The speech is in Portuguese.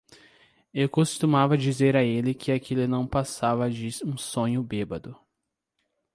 Eu costumava dizer a ele que aquilo não passava de um sonho bêbado.